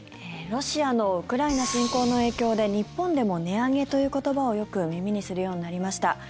ロシアのウクライナ侵攻の影響で日本でも値上げという言葉をよく耳にするようになりました。